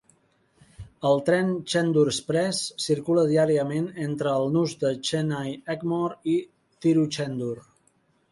El tren Chendur Express circula diàriament entre el nus de Chennai Egmore i Tiruchendur.